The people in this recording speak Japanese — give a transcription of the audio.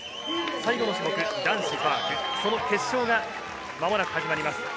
最後の種目、男子パーク、その決勝が間もなく始まります。